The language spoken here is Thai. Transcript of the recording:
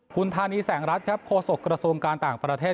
คุณธานีแสงรัฐครับโฆษกระทรวงการต่างประเทศ